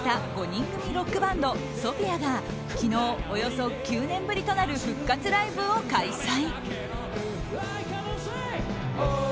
５人組ロックバンドＳＯＰＨＩＡが昨日、およそ９年ぶりとなる復活ライブを開催。